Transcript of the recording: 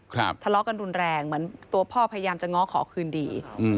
ทะเลาะกันรุนแรงเหมือนตัวพ่อพยายามจะง้อขอคืนดีอืม